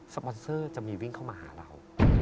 ปอนเซอร์จะมีวิ่งเข้ามาหาเรา